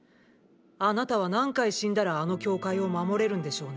あなたは何回死んだらあの教会を守れるんでしょうね。